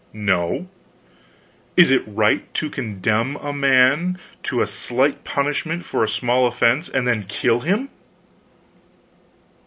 "No." "Is it right to condemn a man to a slight punishment for a small offense and then kill him?"